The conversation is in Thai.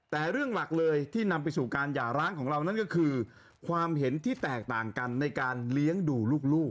แต่เรื่องหลักเลยที่นำไปสู่การหย่าร้างของเรานั่นก็คือความเห็นที่แตกต่างกันในการเลี้ยงดูลูก